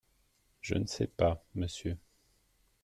Je ne sais pas, Monsieur.